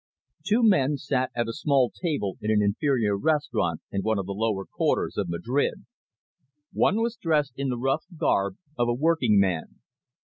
Two men sat at a small table in an inferior restaurant in one of the lower quarters of Madrid. One was dressed in the rough garb of a working man.